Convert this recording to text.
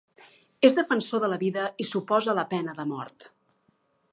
És defensor de la vida i s'oposa a la pena de mort.